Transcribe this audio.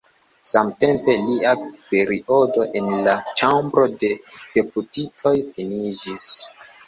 Samtempe, lia periodo en la Ĉambro de Deputitoj finiĝis.